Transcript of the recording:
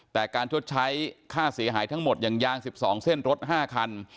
แต่การชดใช้ค่าเสียหายทั้งหมดอย่างยาง๑๒เส้นรถ๕คัน